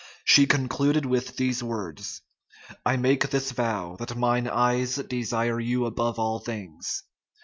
She concluded with these words: "I make this vow, that mine eyes desire you above all things."